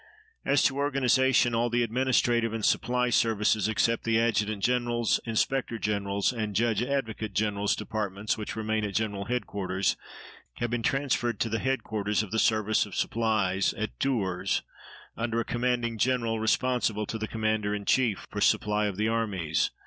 As to organization, all the administrative and supply services, except the Adjutant General's, Inspector General's, and Judge Advocate General's Departments, which remain at general headquarters, have been transferred to the headquarters of the services of supplies at Tours under a commanding General responsible to the Commander in Chief for supply of the armies.